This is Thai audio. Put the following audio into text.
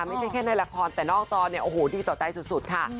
ไม่ใช่แค่ในละครแต่นอกจอดีต่อใจสุดค่ะ